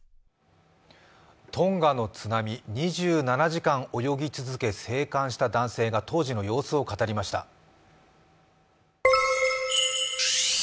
トンガの津波２７時間泳ぎ続け生還した男性が当時の様子を語りました。